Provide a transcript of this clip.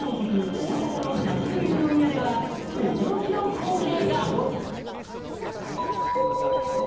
大阪の立ち食いうどん屋では驚きの光景が！